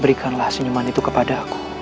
berikanlah senyuman itu kepada aku